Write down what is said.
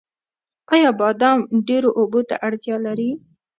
آیا بادام ډیرو اوبو ته اړتیا لري؟